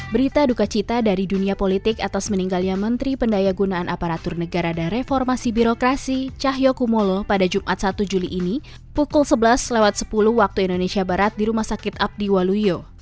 berita dukacita dari dunia politik atas meninggalnya menteri pendaya gunaan aparatur negara dan reformasi birokrasi cahyo kumolo pada jumat satu juli ini pukul sebelas sepuluh wib di rumah sakit abdi waluyo